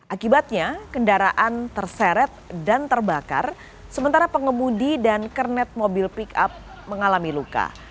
akibatnya kendaraan terseret dan terbakar sementara pengemudi dan kernet mobil pick up mengalami luka